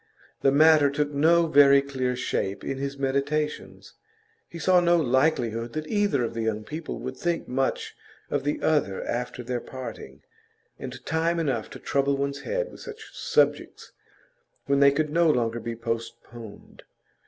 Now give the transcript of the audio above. The matter took no very clear shape in his meditations; he saw no likelihood that either of the young people would think much of the other after their parting, and time enough to trouble one's head with such subjects when they could no longer be postponed.